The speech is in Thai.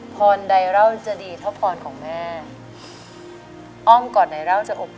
พรใดเราจะดีเท่าพรของแม่อ้อมกอดใดเราจะอบกุญ